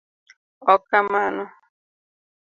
ok kamano